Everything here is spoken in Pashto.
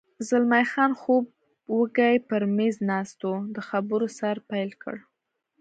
زلمی خان خوب وږی پر مېز ناست و، د خبرو سر پیل کړ.